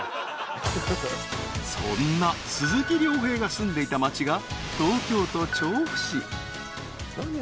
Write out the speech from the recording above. ［そんな鈴木亮平が住んでいた町が東京都調布市］